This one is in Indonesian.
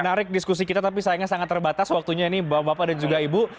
menarik diskusi kita tapi sayangnya sangat terbatas waktunya ini bapak bapak dan juga ibu